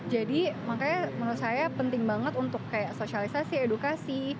jadi makanya menurut saya penting banget untuk kayak sosialisasi edukasi